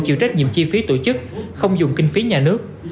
chịu trách nhiệm chi phí tổ chức không dùng kinh phí nhà nước